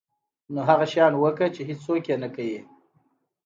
نو هغه شیان وکړه چې هیڅوک یې نه کوي.